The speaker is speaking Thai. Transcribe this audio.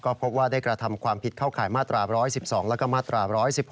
พบว่าได้กระทำความผิดเข้าข่ายมาตรา๑๑๒แล้วก็มาตรา๑๑๖